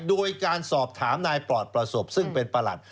โดยการสอบถามนายปลอดประสบซึ่งเป็นประหลัด